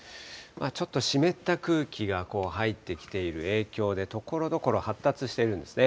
ちょっと湿った空気が入ってきている影響で、ところどころ、発達しているんですね。